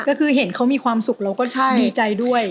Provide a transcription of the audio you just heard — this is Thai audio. ก็คือเห็นเขามีความสุขเราก็ดีใจด้วย